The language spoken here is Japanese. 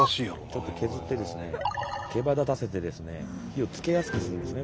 削ってですねけばだたせてですね火をつけやすくするんですね